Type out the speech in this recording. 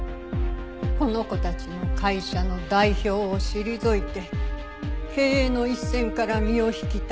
この子たちの会社の代表を退いて経営の一線から身を引きたいと。